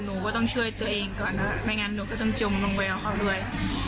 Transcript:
หนูก็ต้องช่วยตัวเองก่อนนะไม่งั้นหนูก็ต้องจมลงไปกับเขาด้วย